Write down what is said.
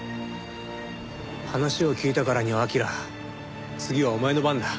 話を聞いたからには彬次はお前の番だ。